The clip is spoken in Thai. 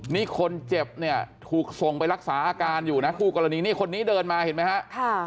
นี่คนเจ็บเนี่ยถูกส่งไปรักษาอาการอยู่นะคู่กรณีนี่คนนี้เดินมาเห็นไหมฮะ